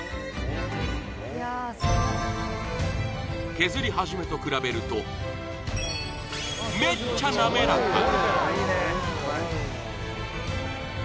削り始めと比べると、めっちゃ滑らかに。